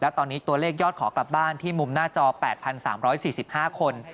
ตอนนี้ตัวเลขยอดขอกลับบ้านที่มุมหน้าจอ๘๓๔๕คน